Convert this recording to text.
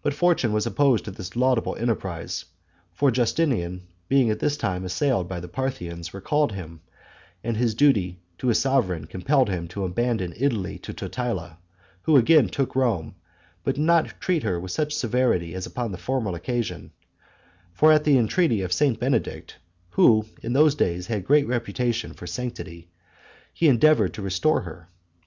But fortune was opposed to this laudable enterprise; for Justinian, being at this time assailed by the Parthians, recalled him; and his duty to his sovereign compelled him to abandon Italy to Totila, who again took Rome, but did not treat her with such severity as upon the former occasion; for at the entreaty of St. Benedict, who in those days had great reputation for sanctity, he endeavored to restore her.